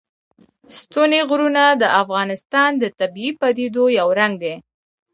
ستوني غرونه د افغانستان د طبیعي پدیدو یو رنګ دی.